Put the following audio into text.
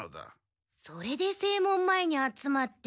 それで正門前に集まって。